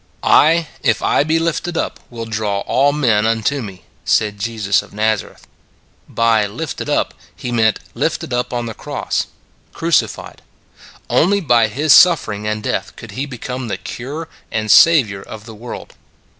" I, if I be lifted up, will draw all men unto me," said Jesus of Nazareth. By " lifted up " He meant " lifted up on the cross" crucified. Only by His suffering and death could He become the Cure and Saviour of the world.